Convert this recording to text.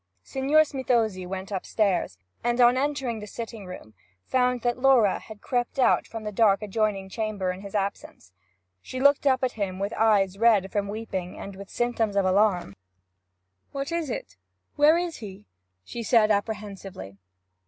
Signor Smithozzi went upstairs, and on entering the sitting room found that Laura had crept out from the dark adjoining chamber in his absence. She looked up at him with eyes red from weeping, and with symptoms of alarm. 'What is it? where is he?' she said apprehensively.